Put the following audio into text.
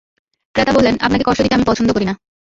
ক্রেতা বললেন, আপনাকে কষ্ট দিতে আমি পছন্দ করি না।